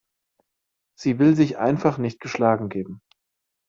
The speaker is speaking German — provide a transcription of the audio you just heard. Sie will sich einfach nicht geschlagen geben.